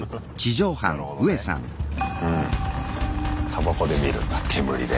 たばこで見るんだ煙で。